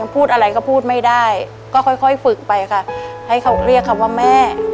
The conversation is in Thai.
พูดอะไรก็พูดไม่ได้ก็ค่อยฝึกไปค่ะให้เขาเรียกคำว่าแม่